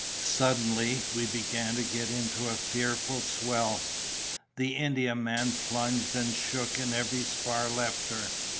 "Suddenly, we began to get into a fearful swell—the Indiaman plunged and shook in every spar left her.